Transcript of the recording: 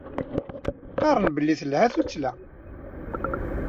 Qqaren belli telha tuttla.